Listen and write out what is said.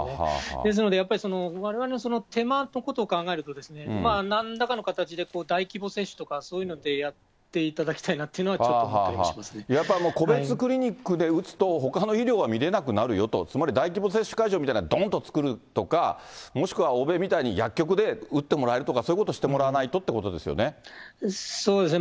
ですのでやっぱり、われわれの手間のことを考えると、なんらかの形で大規模接種とか、そういうのでやっていただきたいなっていうのは、ちょっと思ったやっぱり、個別クリニックで打つと、ほかの医療が診れなくなるよと、つまり、大規模接種会場みたいなのをどんと作るとか、もしくは欧米みたいに薬局で打ってもらえるとか、そういうことしそうですね。